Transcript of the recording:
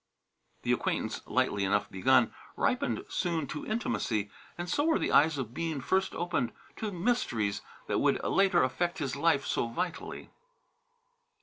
The acquaintance, lightly enough begun, ripened soon to intimacy, and so were the eyes of Bean first opened to mysteries that would later affect his life so vitally.